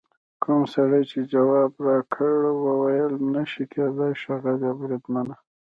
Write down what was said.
کوم سړي چې ځواب یې راکړ وویل: نه شي کېدای ښاغلي بریدمنه.